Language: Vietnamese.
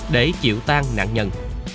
để chịu tan nạn nhân